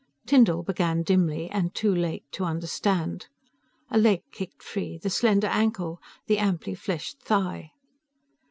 Tyndall began, dimly, and too late, to understand. A leg kicked free ... the slender ankle ... the amply fleshed thigh.